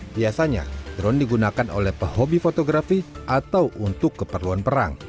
biasanya drone digunakan oleh pehobi fotografi atau untuk keperluan perang